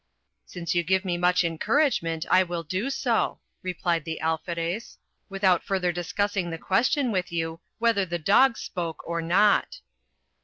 "Since you give me such encouragement, I will do so," replied the alferez, "without further discussing the question with you, whether the dogs spoke or not."